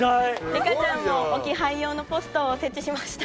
リカちゃんも置き配用のポストを設置しました。